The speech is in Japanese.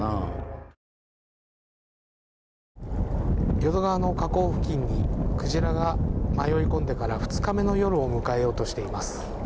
淀川の河口付近にクジラが迷い込んでから２日目の夜を迎えようとしています。